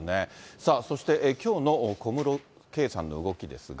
さあそして、きょうの小室圭さんの動きですが。